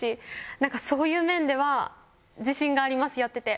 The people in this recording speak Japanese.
なんかそういう面では自信がありますやってて。